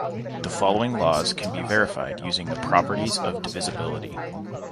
The following laws can be verified using the properties of divisibility.